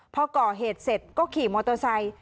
พอก่อเหตุเสร็จก็ขี่มอเตอร์ไซค์